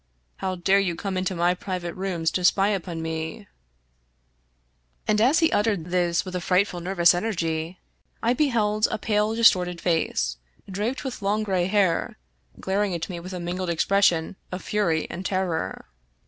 How dare you come into my private rooms to spy upon me ?" And as he uttered this rapidly with a frightful nervous energy, I beheld a pale distorted face, draped with long gray hair, glaring at me with a mingled expression of fury and terror.